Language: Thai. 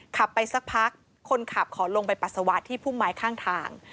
ขับไปสักพักคนขับขอลงไปปัสสาวะที่พุ่มไม้ข้างทาง